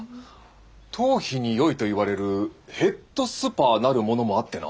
頭皮によいといわれる「へっどすぱ」なるものもあってな。